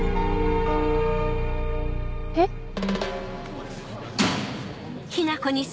えっ⁉